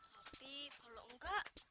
tapi kalau enggak